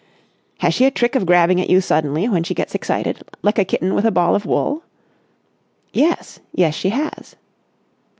"Has she a trick of grabbing at you suddenly, when she gets excited, like a kitten with a ball of wool?" "Yes. Yes, she has."